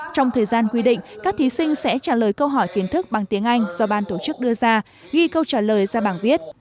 trong thời gian quy định các thí sinh sẽ trả lời câu hỏi kiến thức bằng tiếng anh do ban tổ chức đưa ra ghi câu trả lời ra bảng viết